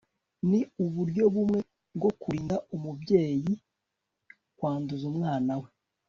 Ni uburyo bumwe bwo kurinda umubyeyi kwanduza umwana we